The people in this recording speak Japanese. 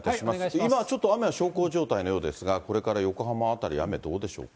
今ちょっと雨は小康状態のようですが、これから横浜辺り、雨どうでしょうか。